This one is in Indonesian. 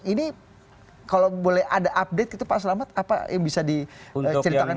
ini kalau boleh ada update gitu pak selamat apa yang bisa diceritakan